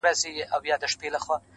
یار له جهان سره سیالي کوومه ښه کوومه,